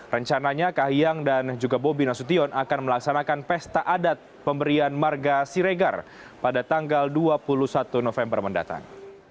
rencananya kahiyang dan juga bobi nasution akan melaksanakan pesta adat pemberian marga siregar pada tanggal dua puluh satu november mendatang